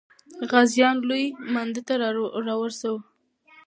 غازیان لوی مانده ته را سوه کړه.